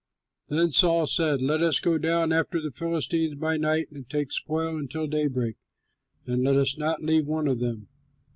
Then Saul said, "Let us go down after the Philistines by night and take spoil until daybreak, and let us not leave one of them."